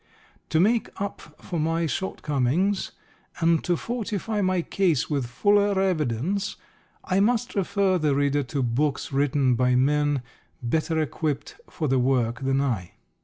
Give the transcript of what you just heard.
To make up for my shortcomings, and to fortify my case with fuller evidence, I must refer the reader to books written by men better equipped for the work than I.